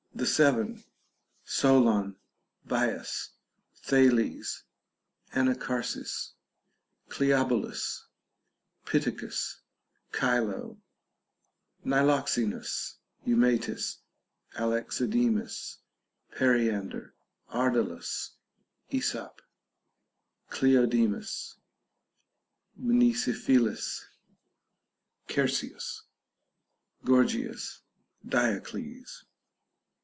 THE SEVEN, — SOLON, BIAS, THALES, ANACHARSIS, CLEOBULUS, PITTACUS, CHILO.* NILOXEXUS, EUMKTIS, ALEXIDEMUS, PERIANDER, ARDALUS, ESOP, CLEO DEMU8, MNESIPHILUS, CIIERSIAS, GORGIAS, DIOCLES.